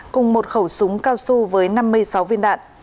cùng một khẩu súng cao su với năm mươi sáu viên đạn